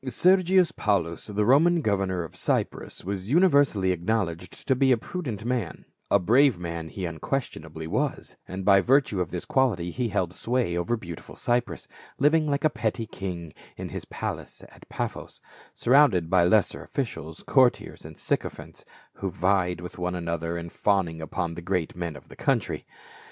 273 Sergius Paulus, the Roman governor of Cyprus, was universally acknowledged to be a prudent man ; a brave man he unquestionably was, and by virtue of this quality he held sway over beautiful Cyprus, living like a petty king in his palace at Paphos, surrounded by lesser officials, courtiers and sycophants who vied with one another in fawning upon the great men of the country.